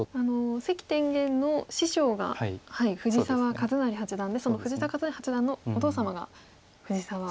関天元の師匠が藤澤一就八段でその藤澤一就八段のお父様が藤沢秀行